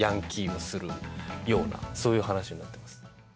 するようなそういう話になってます。